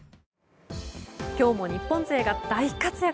今日も日本勢が大活躍。